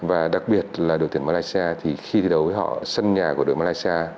và đặc biệt là đội tuyển malaysia thì khi thi đấu với họ sân nhà của đội malaysia